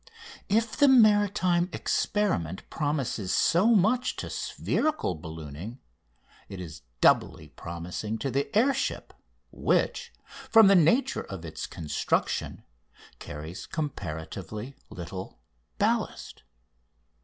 If the maritime experiment promises so much to spherical ballooning it is doubly promising to the air ship, which, from the nature of its construction, carries comparatively little ballast.